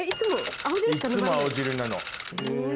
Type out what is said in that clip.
いつも青汁しか？